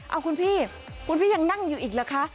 เอาคุณพี่คุณพี่ยังนั่งอยู่อีกเหรอคะ